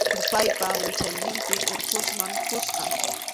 Urpaypa wichayninpi Urqusman kuska.